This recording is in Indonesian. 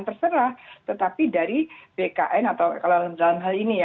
terserah tetapi dari bkn atau kalau dalam hal ini ya